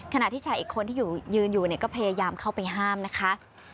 ขณะที่ชายอีกคนที่ยืนอยู่เนี่ยก็พยายามเข้าไปห้ามนะคะ